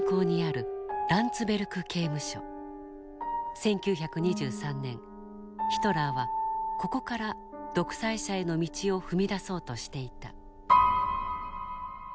１９２３年ヒトラーはここから独裁者への道を踏み出そうとしていた。